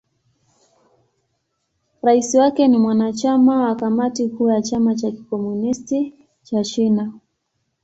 Rais wake ni mwanachama wa Kamati Kuu ya Chama cha Kikomunisti cha China.